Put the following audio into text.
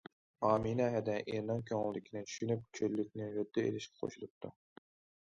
ئامىنە ھەدە ئېرىنىڭ كۆڭلىدىكىنى چۈشىنىپ، چۆللۈكنى ھۆددە ئېلىشقا قوشۇلۇپتۇ.